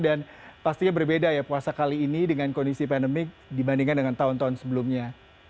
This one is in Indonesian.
dan pastinya berbeda ya puasa kali ini dengan kondisi pandemik dibandingkan dengan tahun tahun sebelumnya